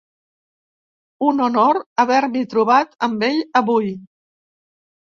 Un honor haver-m'hi trobat amb ell avui!